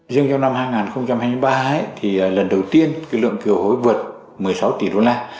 riêng trong năm hai nghìn hai mươi ba thì lần đầu tiên lượng kiều hối vượt một mươi sáu tỷ đô la